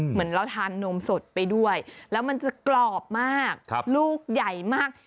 เหมือนเราทานนมสดไปด้วยแล้วมันจะกรอบมากลูกใหญ่มาก